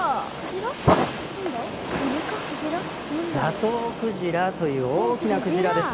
ザトウクジラという大きなクジラです。